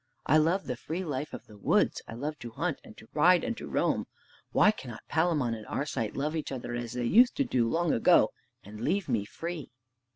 I love the free life of the woods. I love to hunt, and to ride, and to roam. Why cannot Palamon and Arcite love each other as they used to do long ago, and leave me free?"